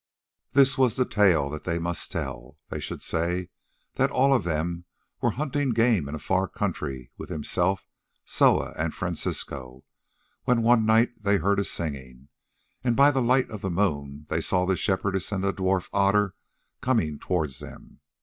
This was the tale that they must tell:—They should say that all of them were hunting game in a far country with himself, Soa, and Francisco, when one night they heard a singing, and by the light of the moon they saw the Shepherdess and the dwarf Otter coming towards them.